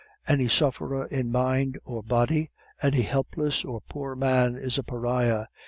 Any sufferer in mind or body, any helpless or poor man, is a pariah.